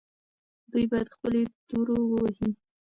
دوی باید خپلې تورو ووهي.